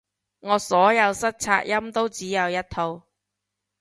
我所有塞擦音都只有一套